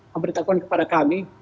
memberitakan kepada kami